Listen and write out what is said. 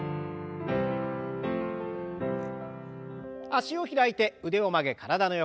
脚を開いて腕を曲げ体の横。